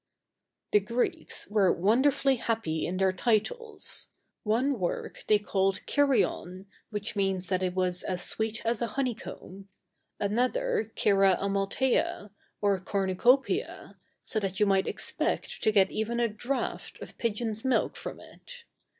The Greeks were wonderfully happy in their titles. One work they called Κηριον, which means that it was as sweet as a honeycomb; another Κερας Αµαλθειας, or Cornu Copiæ, so that you might expect to get even a draft of pigeon's milk from it.